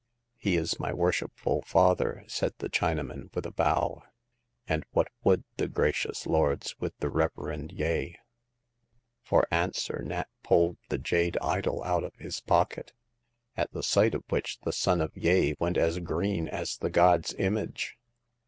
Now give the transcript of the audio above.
" He is my worshipful father," said the China man, with a bow. And what would the gra cious lords with the reverend Yeh ?" For answer, Nat pulled the jade idol out of his pocket ; at the sight of which the son of Yeh 104 Hagar of the Pawn Shop. went as green as the god's image.